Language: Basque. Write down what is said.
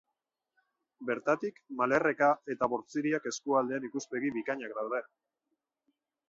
Bertatik Malerreka eta Bortziriak eskualdeen ikuspegi bikainak daude.